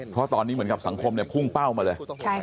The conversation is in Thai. เพราะตอนนี้เหมือนกับสังคมพุ่งเป้ามาเลย